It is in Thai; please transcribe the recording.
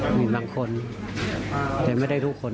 มีบางคนแต่ไม่ได้ทุกคน